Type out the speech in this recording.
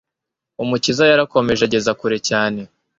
Umukiza yarakomeje ageza kure cyane.